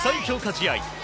試合